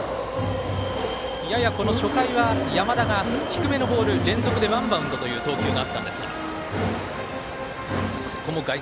やや、初回は山田が低めのボール連続でワンバウンドという投球がありました。